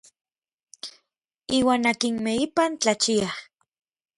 Iuan akinmej ipan tlachiaj.